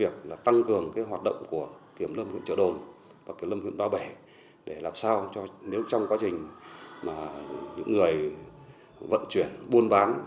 mà những người vận chuyển buôn bán